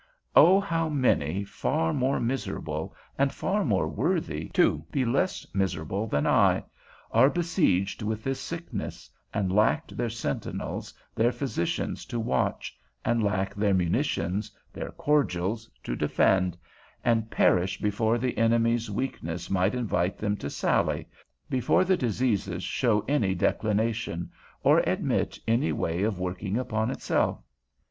O how many far more miserable, and far more worthy to be less miserable than I, are besieged with this sickness, and lack their sentinels, their physicians to watch, and lack their munition, their cordials to defend, and perish before the enemy's weakness might invite them to sally, before the disease show any declination, or admit any way of working upon itself?